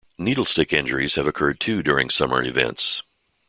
Needle stick injuries have occurred too during Summer events.